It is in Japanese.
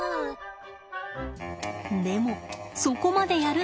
でも「そこまでやる？」